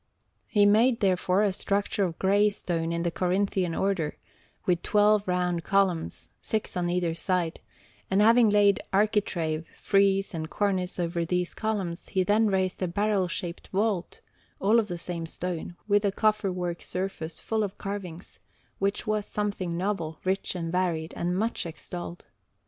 He made, therefore, a structure of grey stone in the Corinthian Order, with twelve round columns, six on either side; and having laid architrave, frieze, and cornice over these columns, he then raised a barrel shaped vault, all of the same stone, with a coffer work surface full of carvings, which was something novel, rich and varied, and much extolled.